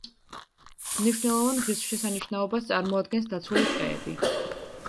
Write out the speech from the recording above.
მნიშვნელოვან ღირსშესანიშნაობას წარმოადგენს დაცული ტყეები.